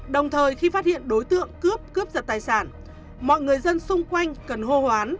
đồng thời khi phát hiện đối tượng cướp cướp giật tài sản mọi người dân xung quanh cần hô hoán